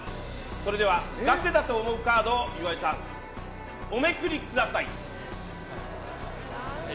それではガセだと思うカードを岩井さん、おめくりください。